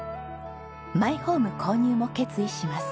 マイホーム購入も決意します。